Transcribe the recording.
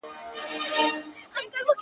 چې د ورځې پېښې دې